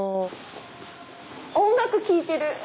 音楽聴いてる！